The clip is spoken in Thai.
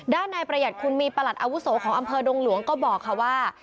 ด้านนายประหยัดคุณมีประหลัดอาวุโสของอำเภอดงหลวงก็บอกค่ะว่า